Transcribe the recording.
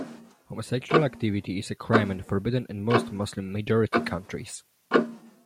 Homosexual activity is a crime and forbidden in most Muslim-majority countries.